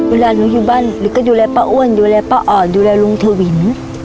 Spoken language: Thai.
เวลาหนูอยู่บ้านหนูก็อยู่แล้วป้าอ้วนอยู่แล้วป้าออดอยู่แล้วลุงเทวิน